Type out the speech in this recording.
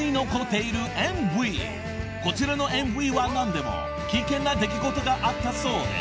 ［こちらのＭＶは何でも危険な出来事があったそうで］